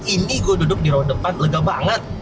ini gue duduk di roh depan lega banget